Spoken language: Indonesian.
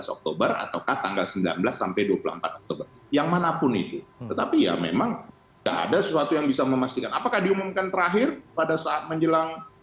oktober ataukah tanggal sembilan belas sampai dua puluh empat oktober yang manapun itu tetapi ya memang tak ada sesuatu yang bisa memastikan apakah diumumkan terakhir pada saat menjelang